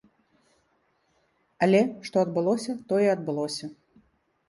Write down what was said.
Але, што адбылося, тое адбылося.